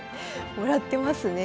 もらってますね。